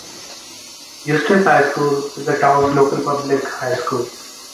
Eustis High School is the town's local public high school.